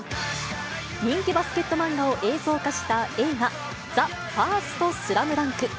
人気バスケット漫画を映像化した映画、ＴＨＥＦＩＲＳＴＳＬＡＭＤＵＮＫ。